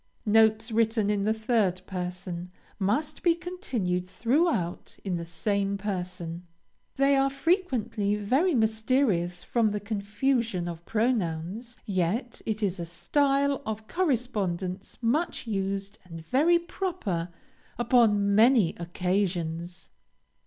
Notes written in the third person, must be continued throughout in the same person; they are frequently very mysterious from the confusion of pronouns, yet it is a style of correspondence much used and very proper upon many occasions.